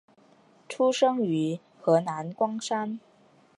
出生于河南光山。